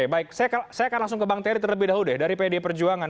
baik saya akan langsung ke bang terry terlebih dahulu deh dari pd perjuangan